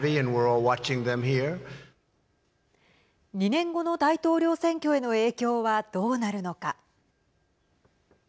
２年後の大統領選挙への影響はどうなるのか。